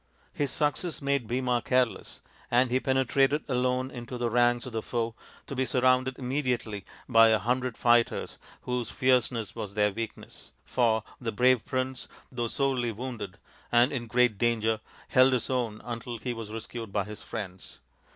His success made Bhima careless, and he penetrated alone into the ranks of the foe, to be surrounded immediately by a hundred fighters whose fierceness was their weakness, for the brave prince, though sorely wounded and in great danger, held his own until he was rescued by his friends.